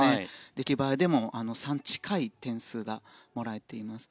出来栄えでも３近い点数がもらえています。